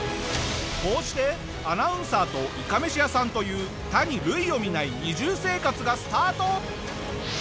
こうしてアナウンサーといかめし屋さんという他に類を見ない二重生活がスタート。